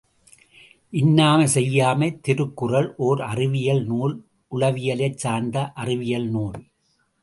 இன்னா செய்யாமை திருக்குறள் ஓர் அறிவியல் நூல் உளவியலைச் சார்ந்த அறிவியல் நூல்.